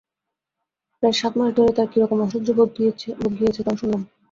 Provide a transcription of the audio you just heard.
প্রায় সাত মাস ধরে তাঁর কিরকম অসহ্য ভোগ গিয়েছে তাও শুনলুম।